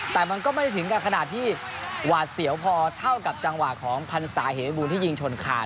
แต่มันก็ไม่ได้ถึงกับขนาดที่หวาดเสียวพอเท่ากับจังหวะของพันศาเหยบูรณที่ยิงชนขาด